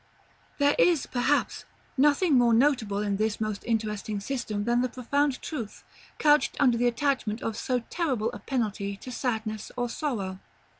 § LIX. There is, perhaps, nothing more notable in this most interesting system than the profound truth couched under the attachment of so terrible a penalty to sadness or sorrow.